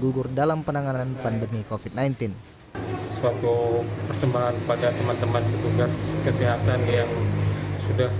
gugur dalam penanganan pandemi kofit sembilan belas suatu persembahan kepada teman teman petugas kesehatan yang sudah